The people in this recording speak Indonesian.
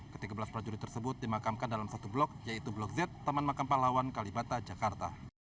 ketiga belas prajurit tersebut dimakamkan dalam satu blok yaitu blok z taman makam pahlawan kalibata jakarta